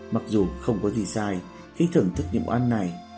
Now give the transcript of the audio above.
mặc dù không có gì sai khi thưởng thức những món ăn này